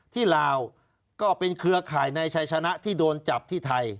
ลาวก็เป็นเครือข่ายในชัยชนะที่โดนจับที่ไทย